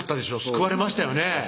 救われましたよね